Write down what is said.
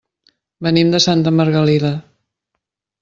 Venim de Santa Margalida.